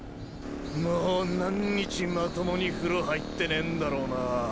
もう何日まともに風呂入ってねぇんだろうなぁ。